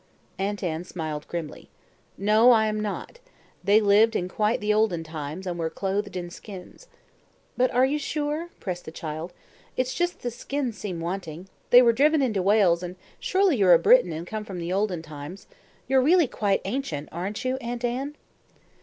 Aunt Anne smiled grimly. "No, I am not. They lived in quite the olden times, and were clothed in skins." "But are you sure?" pressed the child. "It's just the skins seem wanting. They were driven into Wales, and surely you're a Briton and come from the olden times. You're really quite ancient aren't you, Aunt Anne?"